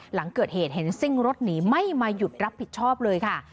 หลังเกิดเหตุเห็นซิ่งรถหนีไม่มาหยุดรับผิดชอบเลยค่ะ